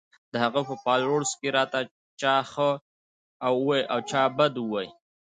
د هغه پۀ فالوورز کښې راته چا ښۀ اووې او چا بد اووې